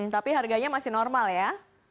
tapi harganya masih normal ya